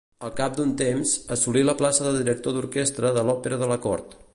Al cap d'algun temps, assolí la plaça de director d'orquestra de l'Òpera de la cort.